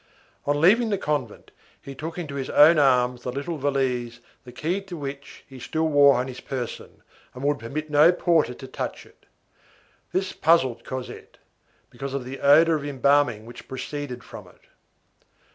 On leaving the convent, he took in his own arms the little valise the key to which he still wore on his person, and would permit no porter to touch it. This puzzled Cosette, because of the odor of embalming which proceeded from it.